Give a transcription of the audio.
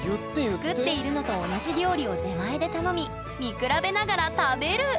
作っているのと同じ料理を出前で頼み見比べながら食べる！